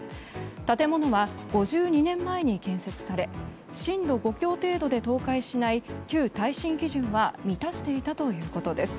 建物は５２年前に建設され震度５強程度で倒壊しない旧耐震基準は満たしていたということです。